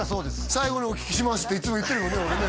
「最後にお聞きします」っていつも言ってるよね